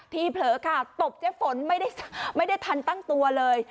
ที่เผลอค่ะตบเจฝนไม่ได้ไม่ได้ทันตั้งตัวเลย